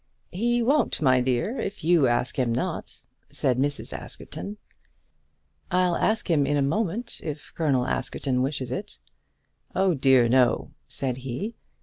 "He won't, my dear, if you ask him not," said Mrs. Askerton. "I'll ask him in a moment if Colonel Askerton wishes it." "Oh dear no," said he.